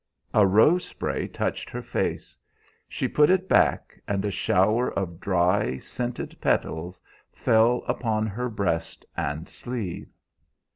A rose spray touched her face. She put it back, and a shower of dry, scented petals fell upon her breast and sleeve.